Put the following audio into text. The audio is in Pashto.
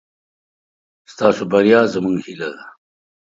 ستاسو بريا زموږ هيله ده.